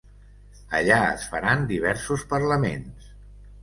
Allà es faran diversos parlaments.